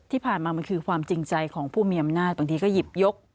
ที่ผ่านมามันคือความจริงใจของผู้มีอำนาจบางทีก็หยิบยก